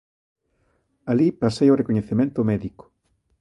Alí pasei o recoñecemento médico.